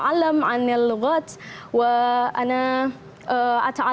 dan saya suka belajar tentang bahasa